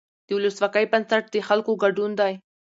د ولسواکۍ بنسټ د خلکو ګډون دی